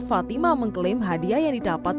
fatima mengklaim hadiah yang didapat